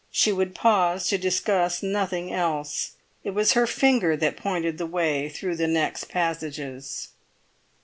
She would pause to discuss nothing else. It was her finger that pointed the way through the next passages.